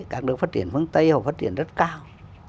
các nước phát triển phương tây họ phát triển rất cao